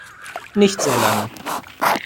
Nicht sehr lange.